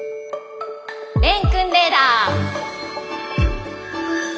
蓮くんレーダー。